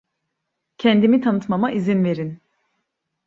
Kendimi tanıtmama izin verin.